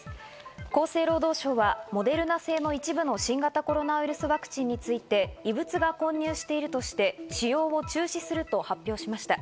厚生労働省はモデルナ製の一部の新型コロナウイルスワクチンについて異物が混入しているとして、使用を中止すると発表しました。